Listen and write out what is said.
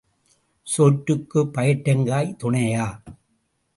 சோற்றுக்குப் பயற்றங்காய் துணையா?